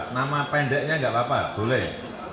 nama pendeknya nggak apa apa boleh